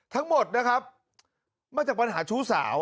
ทั้งหมดนะครับมาจากปัญหาชู้สาว